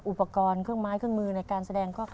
อุปกรณ์เครื่องไม้เครื่องมือในการแสดง